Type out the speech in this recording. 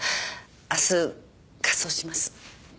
明日火葬します。